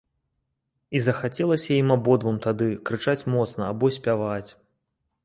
І захацелася ім абодвум тады крычаць моцна або спяваць.